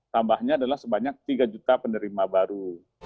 tambahnya adalah sebanyak tiga juta penerima baru